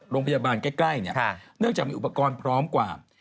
โรงพยาบาลใกล้เนื่องจากมีอุปกรณ์พร้อมกว่า